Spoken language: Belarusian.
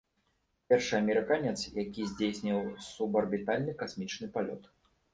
Першы амерыканец, які здзейсніў субарбітальны касмічны палёт.